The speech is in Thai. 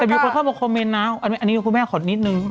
แต่มีคนเข้ามาคอมเมนต์นะอันนี้คุณแม่ขอนิดนึง